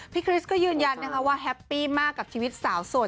คริสก็ยืนยันนะคะว่าแฮปปี้มากกับชีวิตสาวโสด